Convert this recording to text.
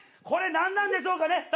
これ何なんでしょうかね。